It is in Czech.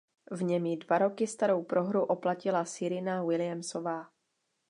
V něm ji dva roky starou prohru oplatila Serena Williamsová.